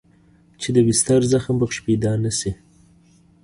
چې د بستر زخم پکښې پيدا نه سي.